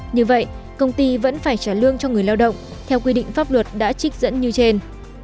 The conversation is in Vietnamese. như vậy công ty vẫn phải trả lương cho người lao động theo quy định pháp luật đã trích dẫn như trên